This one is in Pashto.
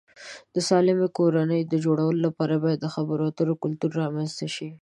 د سالمې کورنۍ د جوړولو لپاره باید د خبرو اترو کلتور رامنځته شي.